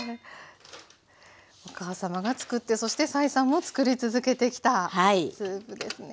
お母様がつくってそして斉さんもつくり続けてきたスープですね。